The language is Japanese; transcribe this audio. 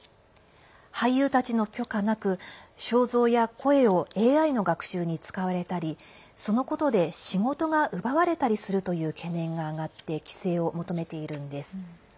俳優たちの許可なく肖像や声をＡＩの学習に使われたりそのことで仕事が奪われたりするという懸念が上がって規制を求めているんです。